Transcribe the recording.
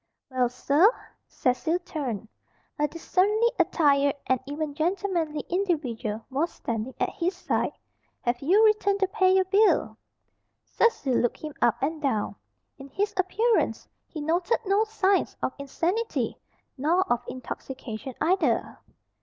"Well, sir?" Cecil turned. A decently attired, and even gentlemanly, individual was standing at his side. "Have you returned to pay your bill?" Cecil looked him up and down. In his appearance he noted no signs of insanity, nor of intoxication either.